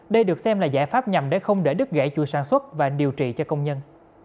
đây được xem là giải pháp nhằm để không để đứt gãy chuỗi sản xuất và điều trị cho công nhân